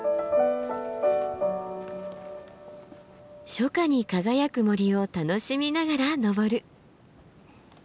初夏に輝く森を楽しみながら登る。